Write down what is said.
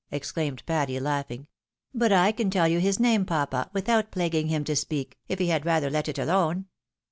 " ex claimed Patty, laughing ;" but I can tell you his name, papa, without plaguing him to speak, if he had rather let it alone.